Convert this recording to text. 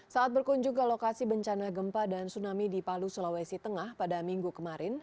saat berkunjung ke lokasi bencana gempa dan tsunami di palu sulawesi tengah pada minggu kemarin